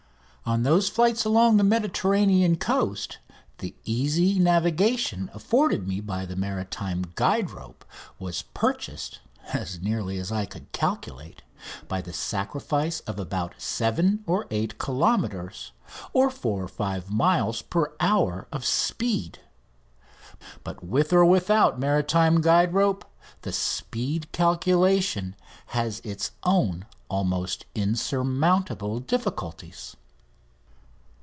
On those flights along the Mediterranean coast the easy navigation afforded me by the maritime guide rope was purchased, as nearly as I could calculate, by the sacrifice of about 7 or 8 kilometres (4 or 5 miles) per hour of speed; but with or without maritime guide rope the speed calculation has its own almost insurmountable difficulties.